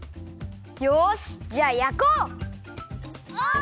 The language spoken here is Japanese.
よしじゃあやこう！